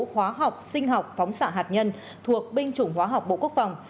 hóa học sinh học phóng xạ hạt nhân thuộc binh chủng hóa học bộ quốc phòng